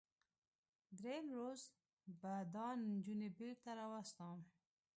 دریم روز به دا نجونې بیرته راواستوم.